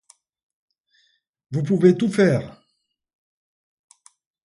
Vous pouvez tout faire.